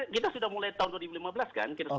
kita sudah mulai tahun dua ribu lima belas kan